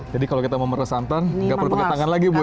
jadi kalau kita mau meresantan nggak perlu pakai tangan lagi bu